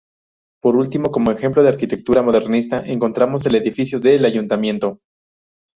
Por último, como ejemplo de arquitectura modernista, encontramos el edificio del Ayuntamiento.